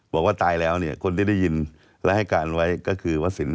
บอกว่าตายแล้วเนี่ยคนที่ได้ยินและให้การไว้ก็คือวสิน